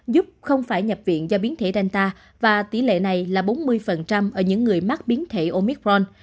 giúp không phải nhập viện do biến thể danta và tỷ lệ này là bốn mươi ở những người mắc biến thể omicron